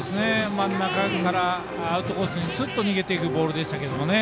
真ん中からアウトコースにすっと逃げていくボールでしたけどね。